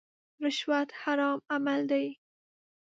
رشوت حرام عمل دی.